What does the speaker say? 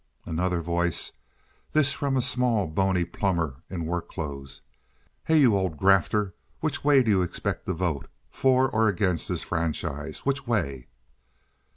Another Voice (this from a small, bony plumber in workclothes). "Hey, you old grafter! Which way do you expect to vote? For or against this franchise? Which way?"